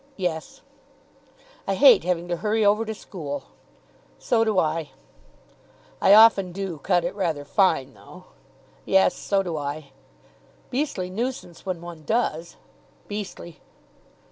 "Yes." "I hate having to hurry over to school." "So do I." "I often do cut it rather fine, though." "Yes. So do I." "Beastly nuisance when one does." "Beastly."